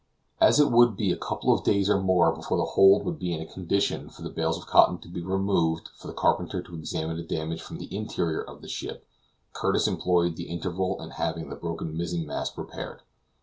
As it would be a couple of days or more before the hold would be in a condition for the bales of cotton to be removed for the carpenter to examine the damage from the interior of the ship, Curtis employed the interval in having the broken mizzen mast repaired.